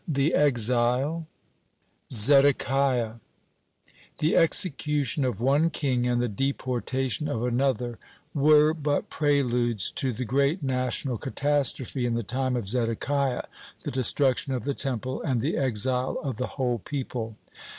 THE EXILE ZEDEKIAH The execution of one king and the deportation of another were but preludes to the great national catastrophe in the time of Zedekiah, the destruction of the Temple and the exile of the whole people.